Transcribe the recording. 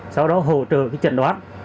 sau đó hỗ trợ trận đoán